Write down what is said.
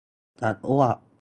จะอ้วก